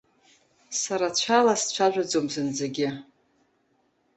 Сара цәала сцәажәаӡом зынӡагьы.